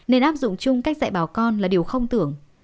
nên áp dụng chung cách dạy bà con là điều không tưởng